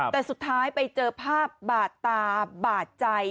แต่สุดท้ายไปเจอภาพบาดตาบาดใจ